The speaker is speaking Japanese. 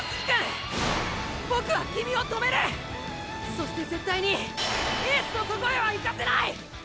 そして絶対にエースのとこへは行かせない！